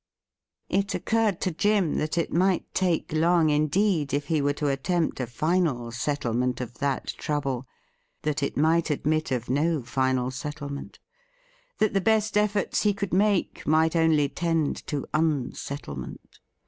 It occurred to Jim that it might take long indeed if he were to attempt a final settlement of that trouble — that it might admit of no final settlement — that the best efforts he could make might only tend to unsettlement.